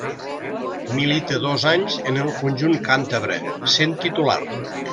Milita dos anys en el conjunt càntabre, sent titular.